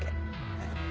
はい。